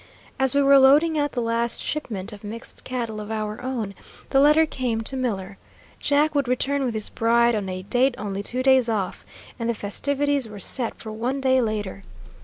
As we were loading out the last shipment of mixed cattle of our own, the letter came to Miller. Jack would return with his bride on a date only two days off, and the festivities were set for one day later.